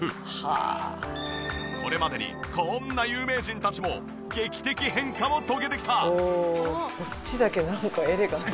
これまでにこんな有名人たちも劇的変化を遂げてきた。